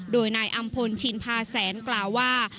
โดยนายอำพลชินพาแสนกล่าวว่า